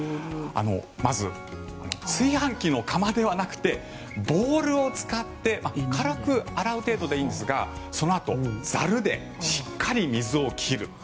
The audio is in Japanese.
まず、炊飯器の釜ではなくてボウルを使って軽く洗う程度でいいんですがそのあとザルでしっかり水を切る。